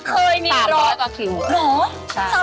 เคยมีร้อน๓๐๐ปลาคริว